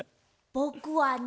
ぼくはね。